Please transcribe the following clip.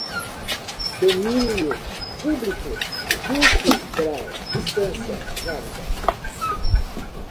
domínio público, duplo grau, instância, válida